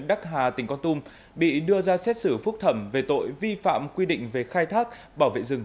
lâm sản và tỉnh con tum bị đưa ra xét xử phúc thẩm về tội vi phạm quy định về khai thác bảo vệ rừng